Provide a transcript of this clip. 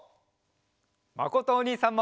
まことおにいさんも！